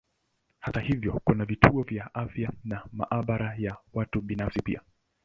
Hata hivyo kuna vituo vya afya na maabara ya watu binafsi pia.